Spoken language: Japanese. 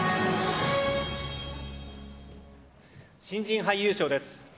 新人俳優賞です。